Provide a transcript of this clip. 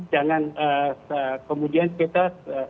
jangan kemudian kita